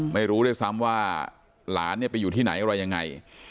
ไม่รู้ด้วยซ้ำว่าหลานเนี่ยไปอยู่ที่ไหนอะไรยังไง